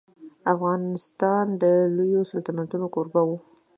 افغانستان د لويو سلطنتونو کوربه و.